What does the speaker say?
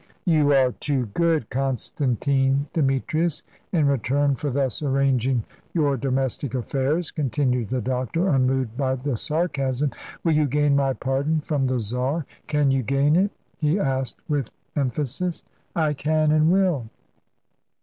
"You are too good, Constantine Demetrius." "In return for thus arranging your domestic affairs," continued the doctor, unmoved by the sarcasm, "will you gain my pardon from the Czar? Can you gain it?" he asked with emphasis. "I can and will."